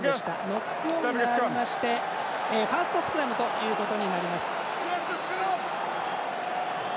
ノックオンとなりましてファーストスクラムということになります。